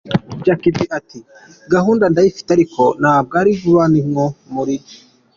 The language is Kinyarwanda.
Jack B ati ”Gahunda ndayifite ariko ntabwo ari vuba, ni nko muri ”.